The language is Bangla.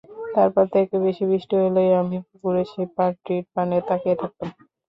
তারপর থেকে বেশি বৃষ্টি হলেই আমি পুকুরের সেই পাড়টির পানে তাকিয়ে থাকতাম।